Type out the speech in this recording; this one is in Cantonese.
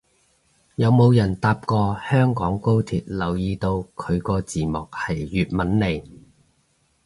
有冇人搭過香港高鐵留意到佢個字幕係粵文嚟